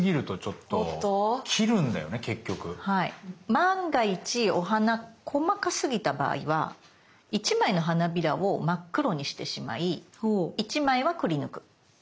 万が一お花細かすぎた場合は１枚の花びらを真っ黒にしてしまい１枚はくりぬく。